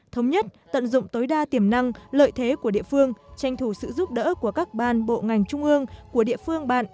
thống nhất tận dụng tối đa tiềm năng lợi thế của địa phương tranh thủ sự giúp đỡ của các ban bộ ngành trung ương của địa phương bạn